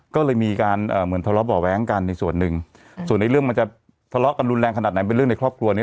ก็เลยมีการเหมือนทะเลาะบ่อแว้งกันในส่วนหนึ่งส่วนในเรื่องมันจะทะเลาะกันรุนแรงขนาดไหนเป็นเรื่องในครอบครัวนี้